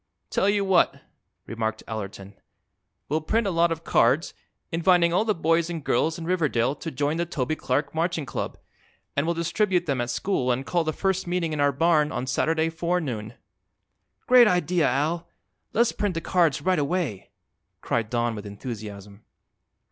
"Tell you what," remarked Allerton; "we'll print a lot of cards, inviting all the boys and girls in Riverdale to join the Toby Clark Marching Club, and we'll distribute them at school and call the first meeting in our barn on Saturday forenoon." "Great idea, Al! Let's print the cards right away," cried Don with enthusiasm.